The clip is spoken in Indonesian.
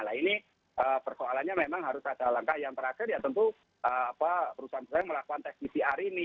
nah ini persoalannya memang harus ada langkah yang terakhir ya tentu perusahaan perusahaan yang melakukan tes pcr ini